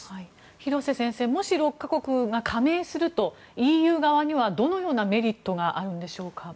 廣瀬先生もし６か国が加盟するとＥＵ側にはどのようなメリットがあるんでしょうか。